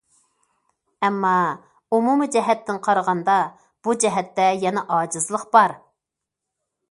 ئەمما ئومۇمىي جەھەتتىن قارىغاندا، بۇ جەھەتتە يەنە ئاجىزلىق بار.